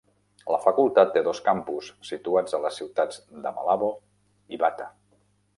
La facultat té dos campus, situats a les ciutats de Malabo i Bata.